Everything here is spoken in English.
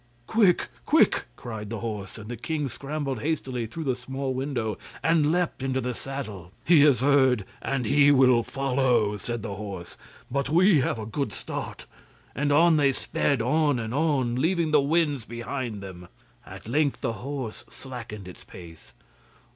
'Quick! quick!' cried the horse, and the king scrambled hastily through the small window, and leapt into the saddle. 'He has heard and he will follow,' said the horse; 'but we have a good start,' And on they sped, on and on, leaving the winds behind them. At length the horse slackened its pace.